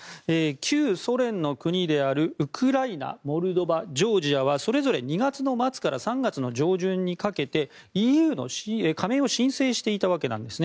旧ソ連の国であるウクライナ、モルドバジョージアはそれぞれ２月末から３月上旬にかけてＥＵの加盟を申請していたわけです。